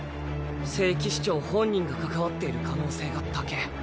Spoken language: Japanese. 聖騎士長本人が関わっている可能性が高ぇ。